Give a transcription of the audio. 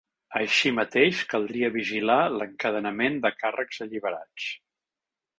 Així mateix caldria vigilar l’encadenament de càrrecs alliberats.